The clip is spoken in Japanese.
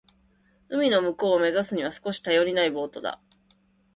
海の向こうを目指すには少し頼りないボートだ。